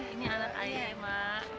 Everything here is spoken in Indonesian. ini anak ayah emak